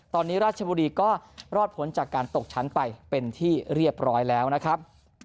ตอนนี้ราชบุรีก็รอดพ้นจากการตกชั้นไปเป็นที่เรียบร้อยแล้วนะครับ